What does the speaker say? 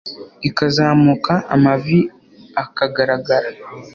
ikazamuka amavi aka garagara